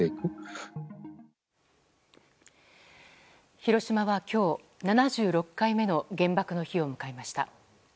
広島は今日７６回目の原爆の日を迎えました。